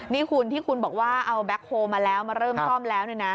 นี่คุณที่คุณบอกว่าเอาแบ็คโฮลมาแล้วมาเริ่มซ่อมแล้ว